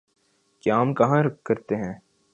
قیام کہاں کرتے ہیں؟